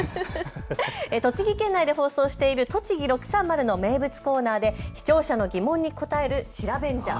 栃木県内で放送しているとちぎ６３０の名物コーナーで視聴者の疑問にこたえるシラベンジャー。